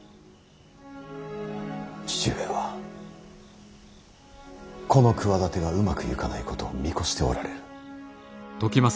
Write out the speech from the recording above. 父上はこの企てがうまくゆかないことを見越しておられる。